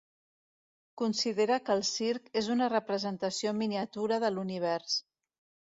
Considera que el circ és una representació en miniatura de l'univers.